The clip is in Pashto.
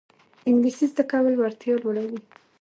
انګلیسي زده کول وړتیا لوړوي